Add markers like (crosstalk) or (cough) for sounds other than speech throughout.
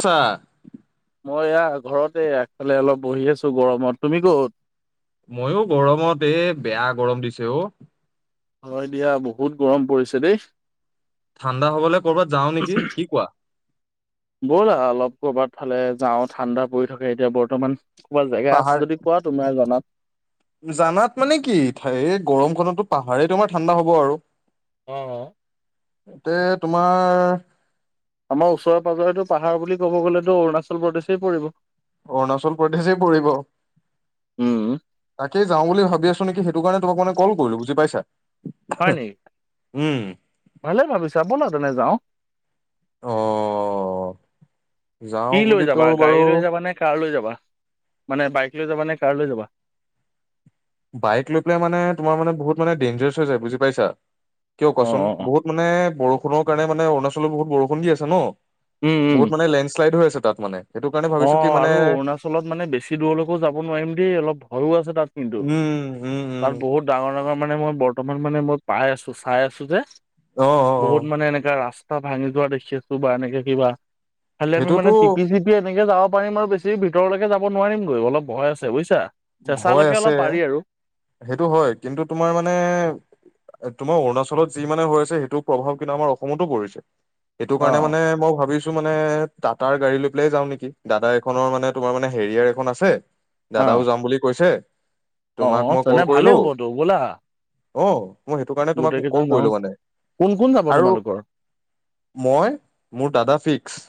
ছাঁ। মই এয়া ঘৰতে আগফালে অলপ বহি আছো গৰমত তুমি ক'ত। মইয়ো গৰমতে এই বেয়া গৰম দিছে অঁ হয় দিয়া বহুত গৰম পৰিছে দেই। ঠাণ্ডা হবলে কৰ'বাত যাও নেকি কি কোৱা? ব'লা অলপ ক'ৰবাত ইফালে যাওঁ ঠাণ্ডা পৰি থাকে এতিয়া বৰ্তমান, ক'ৰবা জেগা আছে পাহাৰ যদি কোৱা তুমি জনাত। জানাত মানে কি এই গৰমখনতো পাহাৰেই তোমাৰ ঠাণ্ডা হ'ব আৰু। হঁ হঁ। এতে তোমাৰ। আমাৰ ওচৰে পাঁজৰেতো পাহাৰ বুলি ক'ব গ'লেতো অৰুণাচল প্ৰদেশেই পৰিব। অৰুণাচল প্ৰদেশই পৰিব, উম। তাকেই যাওঁ বুলি ভাবি আছো। নেকি সেইটো কাৰণে তোমাক মে কল কৰিলো বুজি পাইছা। হয় নি, উম। ভালে ভাবিছা বল তেনে যাওঁ। অঁ। কি লৈ যাবা গাড়ী লৈ যাবা নে কাৰ লৈ যাবা। মানে বাইক লৈ যাবা নে কাৰ লৈ যাবা। বাইক লৈ পেলাই মানে তোমাৰ মানে বহুত মানে ডেঞজাৰছ হৈ যায় বুজি পাইছা। কিয় অ', কোৱাচোন অ', অ'। বহুত মানে বৰষুণৰ কাৰণে মানে অৰুণাচলত বহুত বৰষুণ দি আছে ন। বহুত মানে লেণ্ডশ্লাইড হৈ আছে তাত মানে। সেইটো কাৰণে ভাবিছো কি অঁ মানে আৰু অৰুণাচলত মানে বেছি দূৰলৈকো যাব নোৱাৰিম দেই অলপ ভয়ো আছে তাত। কিন্তু, উম উম উম তাত বহুত ডাঙৰ ডাঙৰ মানে মই বৰ্তমান মানে মই পাই আছো চাই আছো যে। অ অ অ বহুত মানে এনেকাা ৰাস্তা ভাঙি যোৱা দেখি আছো বা এনেকাে কিবা। খালি আমি মান সেইটোতো টিকপি চিকি আ। তেনেকে যাব পাৰিম আৰু বেছি ভিতৰলৈকে যাব নোৱাৰিম গৈ অলপ ভয় আ বুজছা। ভয় চেঁচালৈকে আছে অলপ পাৰি আৰু। সেইটো হয় কিন্তু তোমাৰ মানে। তোমাৰ অৰুণাচলত যি মানে হৈ আছে সেইটো প্ৰভাৱ কিন্তু আমাৰ অসমতো পৰিছে। এইটো অ কাৰণে মানে মই ভাবিছো। মানে টাটাৰ গাড়ী লৈ পেলাই যাওঁ নেকি দাদা এখনৰ মানে তোমাৰ মানে হেৰিয়াৰ এখন আছে। দাদাও যাম বুলি কৈছে। অঁ তোমাক অঁ তেনে ভালেই হ'বতো ব'লা। অঁ মই সেইটো কাৰণে তোমাক গোটেই কেইজন কল যাওঁ কৰিলো মানে, কোন কোন যাব আৰু। তোমালোকৰ মই মোৰ দাদা ফিক্স।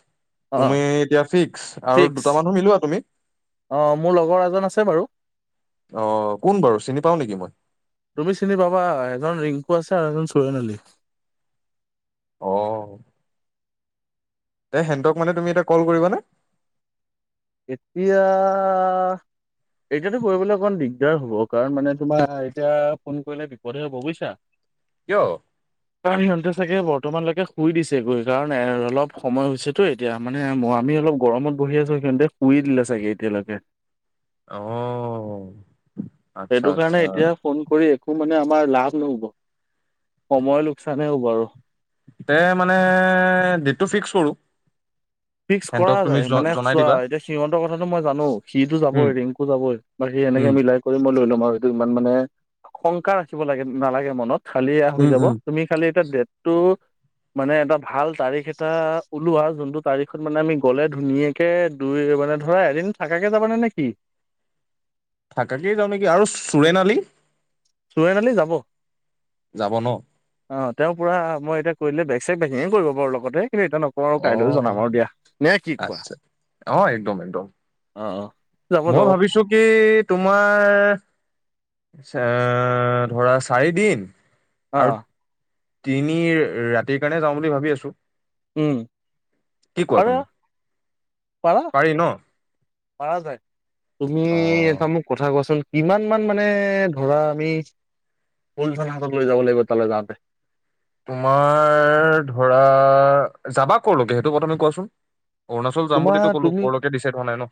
অ তুমি এতিয়া ফিক্স আৰু দুট মানো মিলোৱা তুমি। অ মোৰ লগৰ এজন আছে বাৰু। অ কোন বাৰু চিনি পাও নেকি মই তুমি চিনি পাবা এজন ৰিং। কো আছে আনন্দ (unintelligible) চোৱনলী। আহ। এ হেতক মানে তুমি এটা কল কৰিবানে? এতিয়া। এতিয়াতো কৰিবলৈ অকমান দিগদাৰ হ'ব কাৰণ মানে তোমাৰ এতিয়া ফোন কৰিলে বিপদহে হব বুজিছা। কিয়? কাৰণ সিহঁতে চাগে বৰ্তমানলৈকে শুই দিছেগৈ কাৰণ এ অলপ সময় হৈছেতো এতিয়া মানে মৰাম। আমি অলপ গৰমত বহি আছো সিহঁতে শুই দিলে চাগে এতিয়ালৈকে। অ। আচ্ছা সেইটো আচ্ছা কাৰণে এতিয়া ফোন কৰি। একো মানে আমাৰ লাভ নহ'ব, সময়ৰ লোকচানে হ'ব আৰু। ততে মানে দিনটো ফিক্স কৰোঁ। ফিক্স কৰা যায় মানে চোৱা এতিয়া সিহঁতৰ কথাটো মই জানো সিটো উম যাবই ৰিংকু যাবই বা সি। এনেকে উম মিলাই কৰি মই লৈ লম আৰু সেইটো ইমান মানে, শংকাৰ ৰাখিব লাগে নালাগে মনত। খালি এ হৈ উম যাব উম তুমি খালি এতিয়া দেটতো মানে এটা ভাল তাৰিখ এটা ওলোৱা যোনটো। তাৰিখত মানে আমি গ'লে ধুনীয়াকে দুই মানে ধৰা এদিন থাকাকে যাবানে নে কি। (unintelligible) থাকাকেই যাওঁ নেকি আৰু চুৰেন আলি। চুৱনালি যাব। যাব ন অ তেওঁ পুৰা মই এতিয়া কৰি দলে বেক চেগ পেকিঙে কৰিব বাৰু লগতে কিন্ত এটো নকওঁ আৰু অ কাইলৈও জনাম আৰু দিয়া নে কি কোৱা আচ্ছা অ একদম একদম অ যাব মই যাব ভাবিছো কি তোমাৰ আ ধৰা চাৰিদিন আৰু আহ। তিনি ৰাতিৰ কাৰণে যাওঁ বুলি ভাবি আছো উম কি কোৱা পাৰা তুমি পাৰি ন? পাৰ যায় তুমি অ এটা মোক কথা কোৱাচোন। কিমান মান মানে ধৰা আমি কুলজন হাতক লৈ যাব লাগিব তালৈ যাওঁতে। তোমাৰ ধৰা যাবা ক লগোকে সেইটো কথা তুমি কোৱাচোন? অৰুণাচল যাম বুলিতো তোমাৰ ক'লো তুমি ক'লৈকে ডিচাইড হোৱা নাই ন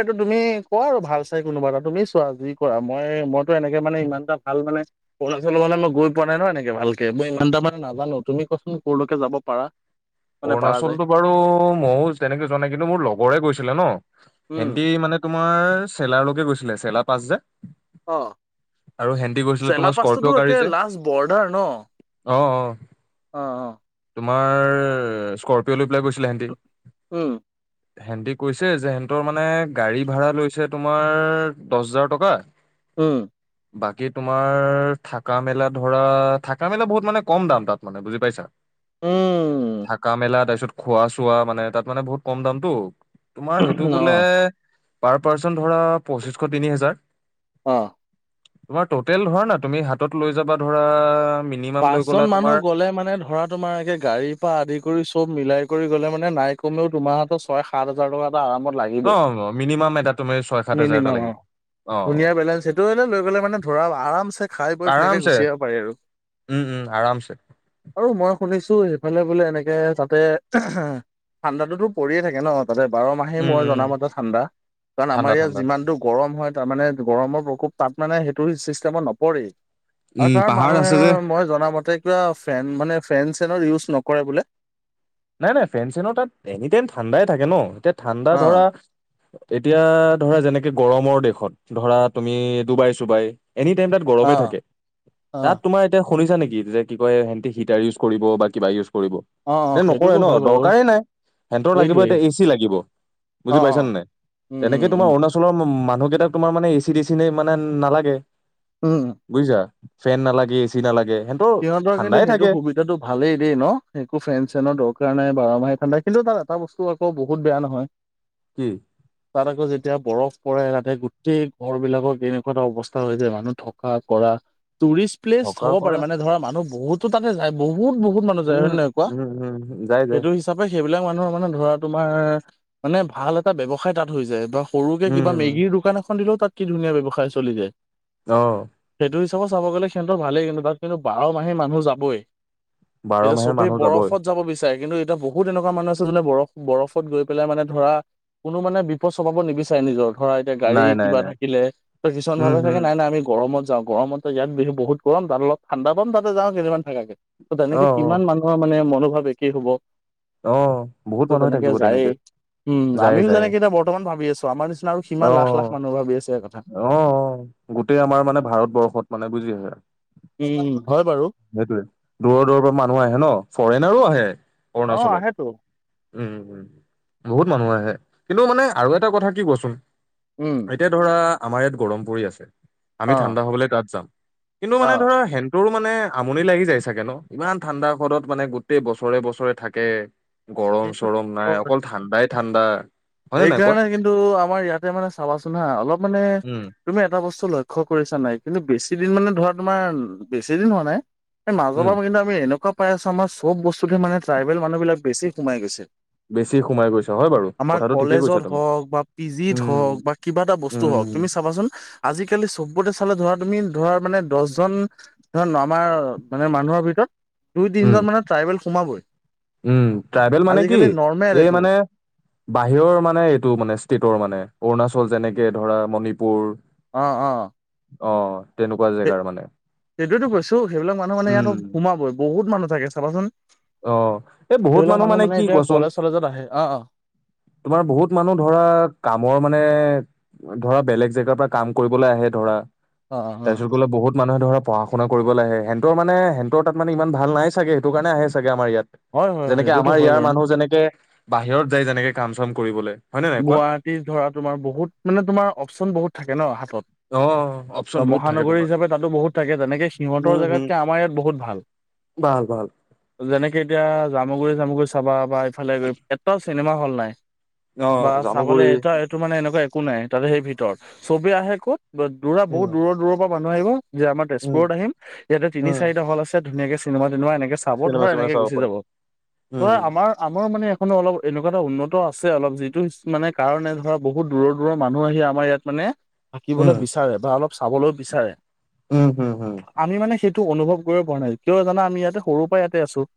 এইটো তুমি কোৱা আৰু ভাল চাই কোনোবা এটা তুমি চোৱা যি কৰা মই মইতো এনেকে মান ইমানটা ভাল মানে সৰু লৰা ছোৱালী লগত মই গৈ পোৱা নাই নয় এনেকে ভাল ভালকে মই ইমানটা মানে নাজানো তুমি কোৱাচোন কলৈকে যাব পাৰা মানে পাৰা যায় অৰুণাচলতো বাৰু মইয়ো তেনেকে যোৱা নাই কিন্তু মোৰ লগৰে গৈছিলে ন‌, উম হেতি মানে তোমাৰ চেলাৰলৈকে গৈছিলে চেলাৰ পাঁচ হজাৰ। আহ গৈছিলে চেলা তোমাৰ পাষ্ট্তাটো স্কৰপিঅ' গাড়ী একে যে লাষ্ট বৰ্ডাৰ ন অ অ অ অ। তোমাৰ স্কৰপিঅ লৈ পেলাই গৈছিলে হেতি। উম হেটি কৈছে যে হেতৰ মানে গাড়ী ভাড়া লৈছে তোমাৰ দহ হাজাৰ টকা উম বাকী তোমাৰ থাকা মেলা ধৰা থাকা মেলা বহুত মানে কম দাম তাত মানে বুজি পাইছা। উম। থাকা মেলা তাৰপিছত খোৱা চোৱা মানে তাত মানে বহুত কম দামতটো, তোমাৰ সেইটো অ বোলে পাৰ পাৰ্চন ধৰা পঁচিশশ তিনি হোজাৰ অ তোমাৰ টটেল ধৰা না তুমি হাতত লৈ যাবা ধৰা মিনিমাম লৈ পাঁচজন গ'লা তোমাৰ মানুহ গলে মানে ধৰা তোমাৰ এতিয়া গাড়ীৰ পৰা আদি কৰি চব মিলাই কৰি গ'লে মানে নাই কমেও তোমাৰ হাতত ছয় সাত হাজাৰ টকা আৰামত লাগিবই। অ মিনিমাম এটা তুমাৰ ছয় সাত হাজাৰ এটা মিনিমাম অ লাগিব। অ ধুনীয়া বেলেঞ্চ সেইটোৱে লৈ পেলাই মানে ধৰা আৰাম চে খাই বৈ ধুনিয়াকে আৰামছে গুচি আহিব পাৰি আৰু উম উম আৰামছে। আৰু মই শুনিছো সেইফালে বোলে এনেকে তাতে ঠাণ্ডাতোতো পৰিয়ে থাকে ন। তাতে বাৰ মাহেই উম মই উম জনাম এতে ঠাণ্ডা কাৰণ আমাৰ ঠাণ্ডা ইয়াত ঠাণ্ডা যিমানটো গৰম হয় তাৰ মানে গৰমৰ প্ৰকোপ তাত মানে সেইটো চিষ্টেমত নপৰেই। আৰু উম তাৰ পাহাৰ মানুহে আছে যে মই জনা মতে কিবা ফেন মানে ফেন চেনৰ ইউজ নকৰে বোলে নাই নাই ফেন চেনৰ তাত এনি টাইম ঠাণ্ডাই থাকে ন এতিয়া ঠাণ্ডা ধৰা অ', এতিয়া ধৰা যেনেকে গৰমৰ দেশত ধৰা তুমি ডুবাই চুবাই এনি টাইম তাত গৰমে অ', থাকে তাত অ', তোমাৰ এতিয়া শুনিছা নেকি যে কি কয় সে হিটাৰ ইউজ কৰিব বা কিবা ইউজ কৰিব অ নে অ নকৰে সেইটোতো ন হয় বাৰু দৰকাৰেই নাই হেটৰ লাগিব সেইটোৱেই এতিয়া এ চি লাগিব। অ', বুজি পাইছানে অ', নাই উম, তেনেকে উম, তোমাৰ উম, উম। অৰুণাচলৰ মানুহকেইটাক তোমাৰ মানে এচি দিচি নাই মানে নালাগে উম বুজিছা ফেন নালাগে এ চি নালাগে। সেহতৰ সিহঁতৰ কিন্তু ঠাণ্ডাই সেইটো থাকে সুবিধাটো ভালেই দেই ন একো ফেন চেনৰ দৰকাৰ কাৰণে বাৰ মাহে ঠাণ্ডা কিন্তু তাত এটা বস্তু আকৌ বহুত বেয়া নহয় কি তাত আকৌ যে এতিয়া বৰফ পৰে তাতে গোটেই ঘৰ বিলাকত এনেকুৱা এটা অৱস্থা হৈ যায় মানুহ থকা কৰা। টুৰিষ্ট প্লেছ থকা হ'ব পাৰে কৰা মানে ধৰা মানুহ বহুতো তাতে যায় বহুত বহুত মানুহ যায় হয় উম নে নাই কোৱা উম উম যাই যাই সেইটো হিচাপে সেইবিলাক মানুহ মানে ধৰা তোমাৰ মানে ভাল এটা ব্যৱসায় তাত হৈ যায় বা সৰুকে উম কিবা মেগীৰ দোকান দিলেও তাত কি ধুনীয়া ব্যৱসায় চলি যায়। অ সেইটো হিচাপত চাব গলে সিহঁত ভালেই কিন্তু তাত কিন্তু বাৰ মাহে মানুহ যাবই। বাৰ এতিয়া মাহে চবেই মানুহ যাবই বৰফত যাব বিচা কিন্তু এতিয়া বহুত এনেকুৱা মানুহ আছে যোনে বৰফ বৰফত গৈ পেলাই মানে ধৰা কোনো মানে বিপদ চপাব নিবিচাৰে নিজৰ। ধৰা এতিয়া গাড়ী নাই নাই কিবা নাই থাকিলে কিছুমান উম ভাৱে উম চাগে নাই নাই আমি গৰমত যা গৰমত ত যাম বিহু বহুত গৰম তাত অলপ ঠাণ্ডা পাম তাতে যাম কেইদিন মান থাকাকে। ত অ তেনেকে অ কিমান মানুহৰ মানে মনোভাৱ একেই হব। অ ত বহুত মানুহে তেনেকে থাকিব যায়েই উম যায় আমিও যায় যেনেকে এতিয়া বৰ্তমান ভাবি আছো। ত আমাৰ নিচিনা আৰু কিমান লখ অ লাখ মানুহ ভাবি আছে। কথা অ গোটেই আমাৰ মানে ভাৰতবৰ্ষত মানে বুজি পাইছা। উম হয় বাৰু সেইটোৱেই দূৰৰ দূৰৰ পৰা মানুহ আহে ন ফৰেইনাৰো আহে অ আহেতো অৰুণাচলত। উম উম বহুত মানুহ আহে। কিন্তু মানে আৰু এটা কথা কি কচোন উম এতিয়া ধৰা আমাৰ ইয়াত গৰম পৰি আছে। অ আমি ঠাণ্ডা হ'বলৈ তাত যাম। কিন্তু অ মানে ধৰা হেণ্টোৰো মানে আমনি লাগি যায় চাগে ন ইমান ঠাণ্ডা হ্ৰদত মানে গোটেই বছৰে বছৰে থাকে। গৰম সেইটো চৰম নাই অ অকল ঠাণ্ডাই ঠাণ্ডা। হয়নে নাই কোৱা সেইকাৰণে কিন্তু আমাৰ ইয়াতে মানে চাবাচোন হা অলপ মানে উম তুমি এটা বস্তু লক্ষ্য কৰিছা নাই কিন্তু বেছি দিন মানে ধৰা তোমাৰ বেছি দিন হোৱা নাই এই মাজৰ উম পা আমি এনেকুৱা পাই আছো আমাৰ চব বস্তুতে মানে ট্ৰাইবেল মানুহবিলাক বেছি সোমাই গৈছে। বেছি সোমাই গৈছে, হয় বাৰু আমাৰ কথা কলেজত হওঁক, বা পি জিত হওঁক, বা কিবা এটা বস্তু উম হওঁক, তুমি চাবাচোন আজিকালি চবতে চালে ধৰা তুমি ধৰা মানে দচজন, ধৰা আমাৰ মানে মানুহৰ ভিতৰত দুই উম তিনজন মানে ট্ৰাইভেল সোমাবই। উম, ট্ৰাইবেল মানে কি আজিকালি নৰ্মেল এই এইটো মানে বা বাহিৰৰ মানে এইটো মানে ষ্টেটৰ মানে অৰুণাচল যেনেকে ধৰা, মণিপুৰ অ' অ'। অ'। তেনেকুৱা জেগাৰ মানে সে-সেইটোয়েটো কৈছো সেইবিলাক মানুহ মানে ইয়াত উম। সোমাবই, বহুত মানুহ থাকে চাবাচোন। অ', এই বহুত সেইবিলাক মানুহ মানে কি এতিয়া কোৱাচোন কলেজ চলেজত আহে অ অ তোমাৰ বহুত মানুহ ধৰা কামৰ মানে ধৰা বেলেগ জেগাৰ পৰা কাম কৰিবলৈ আহে ধৰা, অ অ অ তাৰ পিছত বোলে বহুত মানুহে ধৰা পঢ়া-শুনা কৰিবলে আহে, হেনতৰ মানে হেনতৰ তাত মান ইমান ভাল নাই চাগে সেইটো কাৰণে আহে আমাৰ ইয়াত। হয় হয় হয় যেনেকে সেইটোতো আমাৰ হয় ইয়াৰ বাৰু মানুহ যেনেকে বাহিৰত যায় যেনেকে কাম-চাম কৰিবলে গুৱাহাটীত ধৰা তোমাৰ বহুত মানে তোমাৰ অপচন বহুত থাকে ন অ অপচন হাতত। বহুত থাকে মহানগৰী তোমাৰ হিচাপে তাতো বহুত থাকে, তেনেকে উম সিহঁতৰ হুম জেগাতকে আমাৰ ইয়াত বহুত ভাল। ভাল ভাল। যেনেকে এতিয়া জামুগুৰি-চামুগুৰি চাবা বা ইফালে গৈ, এটাও চিনেমা হল নাই। অ বা চাবলে জামুগুৰি এটা এইটো মানে এনেকুৱা একো নাই তাতে সেই ভিতৰত, চবে আহে ক'ত দূৰা বহুত উম দূৰৰ দূৰৰ পৰা মানুহ আহিব, যে আমাৰ উম তেজপুৰত আহিম ইয়াতে তিনি উম। চাৰিটা হল আছে ধুনীয়াকে চিনেমা-তিনেমা এনেকে চাব চিনেমা ধৰা চিনেমা এনেকৈ চাব গুচি পাৰি। যাব। উম ধৰা আমাৰ-আমাৰো মানে মানে অলপ এনেকুৱা এটা উন্নত আছে অলপ যি সিটো মানে কাৰণে ধৰা বহুত দূৰৰ-দূৰৰ মানুহ আহি আমাৰ ইয়াত মানে থাকিবলৈ উম বিচাৰে বা অলপ চাবলৈ বিচাৰে। উম, হম হম। টো অনুভৱ কৰিব পৰা নাই, কিয় জানা আমি ইয়াতে সৰুৰ পৰা ইয়াতে আছো।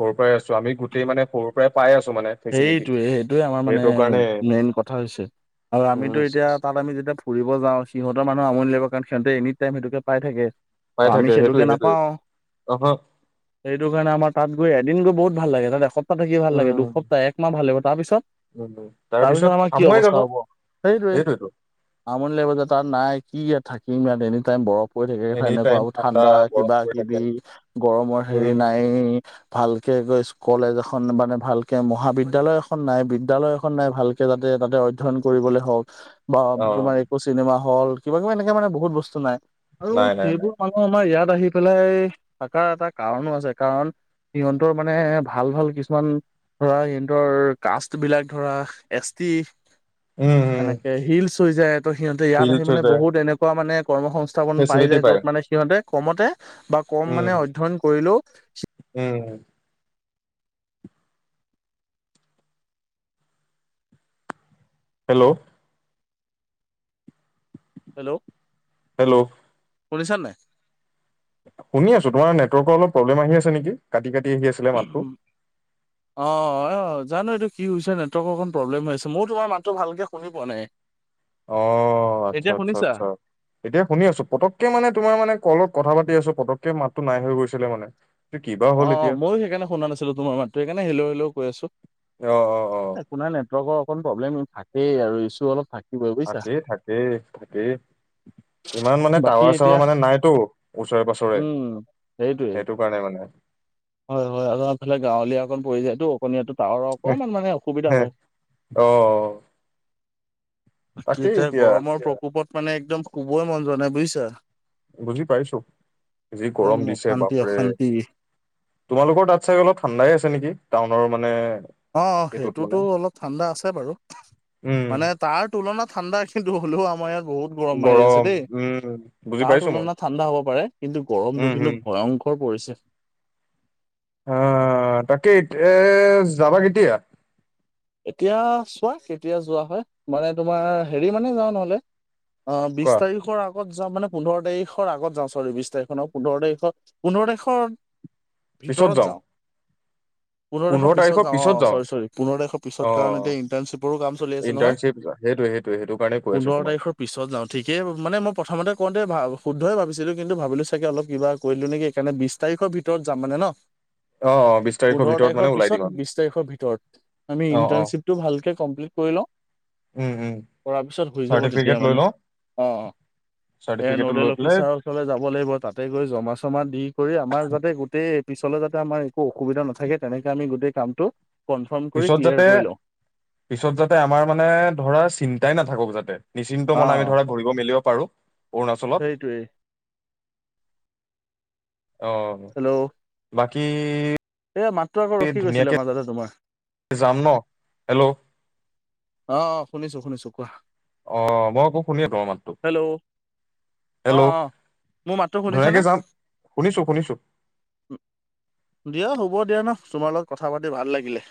সৰু পৰাই আছো, আমি গোটেই মানে সৰুৰ পৰাই পাই আছো মানে ফেচিলিটি। সে এ মেইন কথা হৈছে, আৰু আমিতো উম। এতিয়া তাত আমি যেতিয়া ফুৰিব যাওঁ সিহঁত সিহত মানুহ আমনি লাগিব কাৰণ সিহঁতে এনি টাইম সেইটোকে পায় থাকে। ত পাই আমি থাকে সেইটোকে সেইটোৱে সেইটোৱে নাপাও অহ সেইটো কাৰণে আমাৰ তাত গৈ এদিন গৈ বহুত ভাল লাগে তাত এসপ্তাহ থাকি ভাল লাগে, উম দুসপ্তাহ, একমাহ ভালাগিব তাৰ পিছত উম তাৰপিছত আমাৰ কি আমুৱাই অৱস্থা যাব হ'ব, সেইটোৱে। সেইটোৱেতো আমনি লাগিব যে তাত নাই, কি ইয়াত থাকিম ইয়াত এনি টাইম গৰম। ক থাকে এনি এনেকুৱা টাইম ঠাণ্ডা বৰফ পৰি থাকে। কিবা-কিবি, গৰমৰ হেৰি উম নাই ভালকে গৈ চ কলেজ এখন মানে ভালকে মহাবিদ্যালয় এখন নাই, বিদ্যালয় এ নাই ভালকে যাতে তাতে অধ্যয়ন কৰিবলে হওক, বা অ তোমাৰ একো চিনেমা হল, কিবা কিবা এনেকে মানে বহুত বস্তু নাই আৰু নাই নাই নাই সেইবোৰ মানুহ আমাৰ ইয়াত আহি পেলাই থাকাৰ এটা কাৰণো আছে, কাৰণ সিহঁতৰ মানে ভাল ভাল কিছুমান ধৰা সিহঁতৰ কাষ্ট বিলাক ধৰা এছ টি, এনেকে হিলচ হৈ যায়। ত সিহঁতে ইয়াত আহি হিলচ হৈ মানে যায় বহুত এনেকুৱা মানে কৰ্ম সংস্থাপন পাই ফেচিলিটি যায় পায় য'ত মানে সিহঁতে কমতে বা কম উম। মানে অধ্যয়ন কৰিলেও উম হেল্ল'। হেল্ল'। হেল্ল'। শুনিচা নে নাই? শুনি আছো তোমাৰ নেটৱৰ্কৰ অলপ প্ৰব্লেম আহি আছে নিকি। ফাটি ফাটি আহি আছিলে মাতটো। অ অ জানো এইটো কি হৈছে নেটৱৰ্কৰ অকণ প্ৰব্লেম হৈছে মই তোমাৰ মাতটো ভালকৈ শুনি পোৱা নাই। অ অ আচ্ছা এতিয়া আচ্ছা শুনিছা? আচ্ছা এতিয়া শুনি আছো পতককে মানে তোমাৰ মানে কলত কথা পাতি আছো পতক একে মাততো নাই হৈ গৈছিলে মানে এইটো কিবা অ হ'ল অ এতিয়া ময়ো সেইকাৰণে শুনা নাছিলো তোমাৰ মাতটো সেইকাৰণে হেল্ল হেল্ল কৈ আছো। অ অ অ একো নাই নেটৱৰ্কৰ অকন প্ৰব্লেম থাকেই আৰু ইছ্যু অলপ থাকে। তাকেই থাকে থাকেই ইমান মানে বাকী টাৱাৰ এতিয়া চাৱাৰ মানে নাইতো ওচৰে পাঁজৰে উম সেইটোৱে। সেইটো কাৰণে মানে হয় হয় আৰু এফালে গাঁৱলীয়া অকণ পৰি যায় টো অকণীয়া তো তাহ অকমান মানে অসুবিধা হয়। অ বাকী এতিয়া গৰমৰ প্ৰকোপত মানে একদম শুবই মন যোৱা নাই বুজিছা। বুজি পাইছো যি একদম গৰম দিছে অশান্তি বাপৰে অশান্তি তোমালোকৰ তাত চাই অলপ ঠাণ্ডাই আছে নেকি টাউনৰ মানে। অ এইটোত সেইটোতো মানে অলপ ঠাণ্ডা আছে বাৰু উম মানে তাৰ তুলনাত ঠাণ্ডা কিন্তু হলেও আমাৰ ইয়াত বহুত গৰম মাৰি আছে দেই। উম বুজি তাৰ পাইছো মই তুলনাত ঠাণ্ডা হ'ব পাৰে কিন্তু গৰমটো উম কিন্তু হম ভয়ংকৰ পৰিছে। অহ তাকে এ যাবা কেতিয়া এতিয়া চোৱা কেতিয়া যোৱা হয় মানে তোমাৰ হেৰি মানে যাওঁ নহ'লে অ বিশ কোৱা তাৰিখৰ আগত যোৱা মানে পোন্ধৰ তাৰিখৰ আগত যাও চৰি বিছ তাৰিখৰ পোন্ধৰ তাৰিখৰ পোন্ধৰ তাৰিখৰ ভিতৰত যাওঁ পোন্ধৰ তাৰিখৰ পিছত যাওঁ অ চৰি চৰি পোন্ধৰ তাৰিখৰ পিছত অ কাৰণ এতিয়া ইণ্টাৰ্ণশ্বিপৰো কাম চলি আছে নহয় ইণ্টাৰ্ণশ্বিপ সেইটোৱে সেইটোৱে সেইটো কাৰণে কৈ আছো পোন্ধৰ তোমাক তাৰিখৰ পিছত যাওঁ ঠিকেই। মানে মই প্ৰথম তে কওঁতে ভা শুদ্ধই ভাবিছিলো কিন্তু ভাবিলো চাগে অল কিবা কৰিলো নেকি সেকাৰণে বিশ তাৰিখৰ ভিতৰত যাম মানে ন অ অ বিশ পোন্ধৰ ভিতৰত তাৰিখৰ মানে ওলাই পিছত দিম আমি বিশ তাৰিখৰ ভিতৰত আমি অ অ ইণ্টাৰ্ণশ্বিপটো ভালকে কমপ্লিট কৰি লওঁ উম উম কৰাৰ পিছত শুই যাব তেতিয়া চাৰ্টিফিকেট লৈ মানে লওঁ অ অ এ চাৰ্টিফিকেটটো নডেল লৈ পেলাই অফিচাৰৰ ওচৰলৈ যাব লাগিব তাতে গৈ জমা চমা দি কৰি আমাৰ যাতে গোটেই পিছলে যাতে আমাৰ একো অসুবিধা নাথাকে তেনেকে আমি গোটেই কামটো কনফাৰ্ম কৰি পিছত ক্লিয়াৰ কৰি লওঁ পিছত যাতে আমাৰ মানে ধৰা চিন্তাই নাথাকক যাতে নিচিন্ত অ মনে আমি ধৰা কৰিব মেলিব পাৰো অৰুণাচলত সেইটোৱেই অ হেল্ল' বাকী এ মাতটো আকৌ ৰখি গৈছিলে ধুনীয়াকে মাজতে তোমাৰ যাম ন হেল্ল' অ অ শুনিছো শুনিছো কোৱা অ মই আকৌ শুনিয়েই তৰ মাততো হেল্ল' অ', হেল্ল' অ', মোৰ মাতটো শুনিছানে? ধুনীয়াকে যাম শুনিছো শুনিছো দিয়া হ'ব দিয়া ন তোমাৰ লগত কথা পাতি ভাল লাগিলে